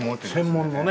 専門のね。